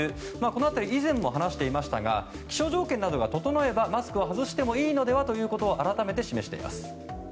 この辺り以前も話していましたが気象条件などが整えばマスクを外してもいいのではということを改めて示しています。